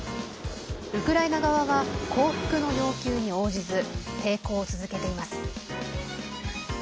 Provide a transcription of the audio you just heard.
ウクライナ側は降伏の要求に応じず抵抗を続けています。